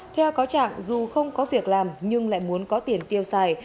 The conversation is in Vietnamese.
theo cáo trạng dù không có việc làm nhưng lại muốn có tiền tiêu xài